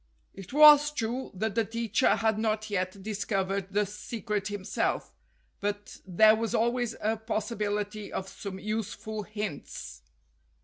It was true that the teacher had not yet discov ered the secret himself, but there was always a possi bility of some useful hints.